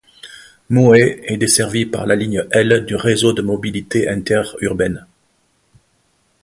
Mouhet est desservie par la ligne L du Réseau de mobilité interurbaine.